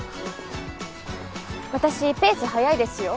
私ペース速いですよ？